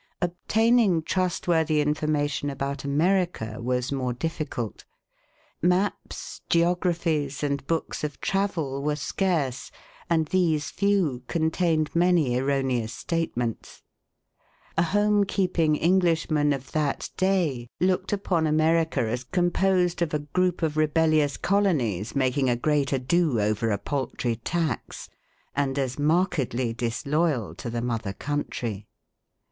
Obtaining trustworthy information about America was more difficult. Maps, geographies and books of travel were scarce, and these few contained many er roneous statements. A home keeping Englishman of that day, looked upon America as composed of a group of rebellious colonies, making a great ado over a pal try tax, and as markedly disloyal to the mother coun try.